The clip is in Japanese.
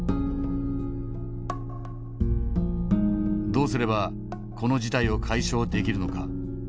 どうすればこの事態を解消できるのか。